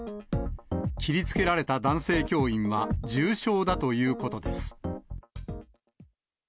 切りつけられた男性教員は重傷だということです。